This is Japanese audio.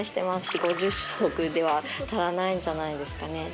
足では足らないんじゃないんですかね